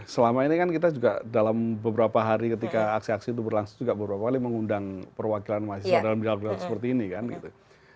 selama ini kan kita juga dalam beberapa hari ketika aksi aksi itu berlangsung juga beberapa kali mengundang perwakilan mahasiswa dalam dialog dialog seperti ini kan gitu